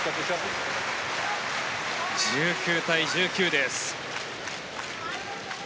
１９対１９です。